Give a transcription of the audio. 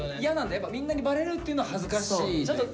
やっぱみんなにバレるっていうのは恥ずかしいというか。